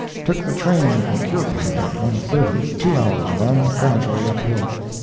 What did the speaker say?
Took the train for Curepipe at 1.30 two hours' run, gradually uphill.